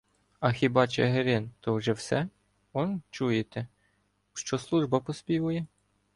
А хіба Чигирин — то вже все?! Он чуєте, що "служба" поспівує.